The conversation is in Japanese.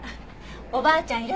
おばあちゃんいる？